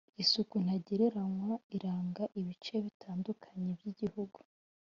isuku ntagereranywa iranga ibice bitandukanye by’igihugu